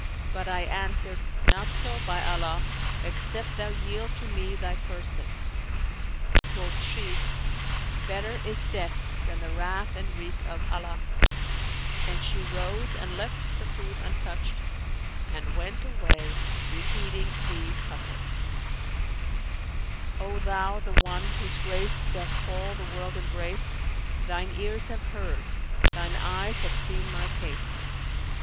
But I answered, 'Not so, by Allah, except thou yield to me thy person.' Quoth she, 'Better is death than the wrath and wreak of Allah;' and she rose and left the food untouched and went away repeating these couplets, 'O Thou, the One, whose grace doth all the world embrace; * Thine ears have heard, Thine eyes have seen my case!